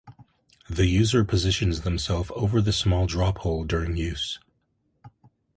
The user positions themself over the small drop hole during use.